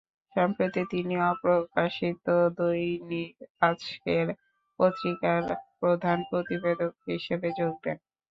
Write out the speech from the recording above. সম্প্রতি তিনি অপ্রকাশিত দৈনিক আজকের পত্রিকার প্রধান প্রতিবেদক হিসেবে যোগ দেন।